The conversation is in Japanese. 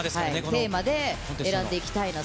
テーマで選んでいきたいなと。